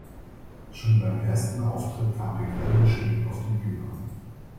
Schon beim ersten Auftritt kam er grell geschminkt auf die Bühne.